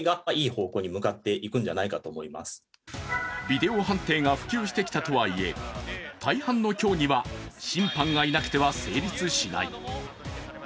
ビデオ判定が普及してきたとはいえ大半の競技は審判がいなくては成立しない。